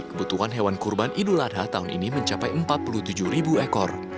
kebutuhan hewan kurban idul adha tahun ini mencapai empat puluh tujuh ribu ekor